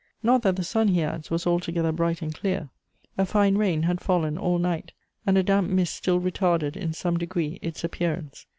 _ Not that the sun," he adds, "was altogether bright and clear; a fine rain had fallen all night, and a damp mist still retarded, in some degree, its appearance.